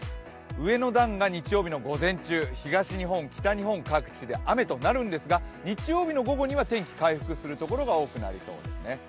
上の段が日曜日の午前中、東日本、北日本各地で雨となるんですが、日曜日の午後には天気、回復するところが多くなりそうですね。